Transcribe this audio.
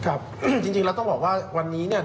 จริงแล้วต้องบอกว่าวันนี้เนี่ย